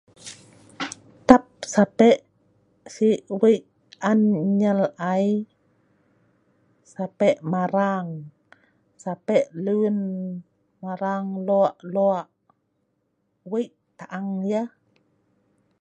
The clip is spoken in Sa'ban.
Tapi sape' si wei' an nyel ai, sape' marang, sape' lun marang lo' lo'. Wei' taang yah.